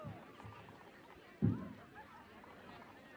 জানি ঠিক কীসের জন্য মার খেয়েছিস।